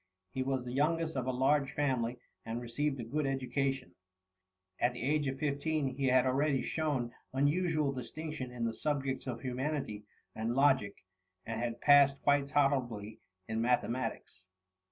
He was the youngest of a large family, and received a good education. At the age of 15 he had already shown unusual distinction in the subjects of humanity and logic, and had passed quite tolerably in mathematics.